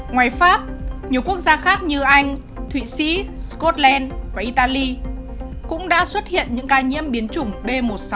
ngoài pháp nhiều quốc gia khác như anh thụy sĩ scotland và italy cũng đã xuất hiện những ca nhiễm biến chủng b một nghìn sáu trăm năm